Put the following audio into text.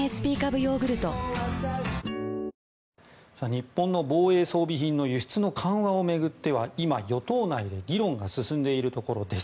日本の防衛装備品の輸出の緩和を巡っては今、与党内で議論が進んでいるところです。